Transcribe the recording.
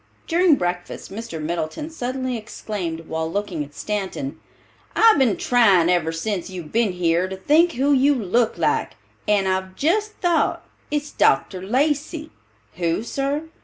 During breakfast Mr. Middleton suddenly exclaimed, while looking at Stanton, "I've been tryin' ever since you've been here to think who you look like, and I've jest thought. It's Dr. Lacey." "Who, sir?"